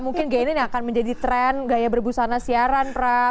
mungkin gain ini akan menjadi tren gaya berbusana siaran prap